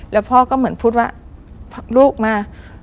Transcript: แล้วพ่อก็เหมือนพูดว่าลูกมา